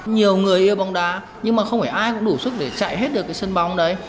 nhiều người yêu bóng đá nhưng mà không phải ai cũng đủ sức để chạy hết được cái sân bóng đấy